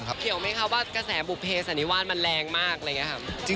คุณคิดไหมคะว่ากระแสบุภีสันนิวานมันแรงมากอะไรอย่างนี้ครับ